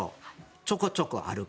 ちょこちょこ歩く。